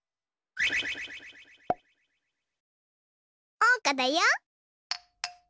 おうかだよ！